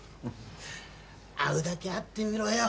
会うだけ会ってみろよ。